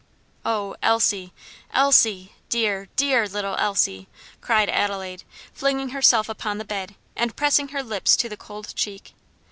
"Oh, Elsie! Elsie! dear, dear little Elsie!" cried Adelaide, flinging herself upon the bed, and pressing her lips to the cold cheek.